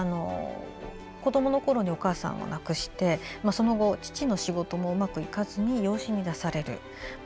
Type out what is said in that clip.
子どものころにお母さんを亡くしてその後、父の仕事もうまくいかず養子に出される。